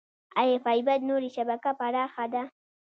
آیا فایبر نوري شبکه پراخه ده؟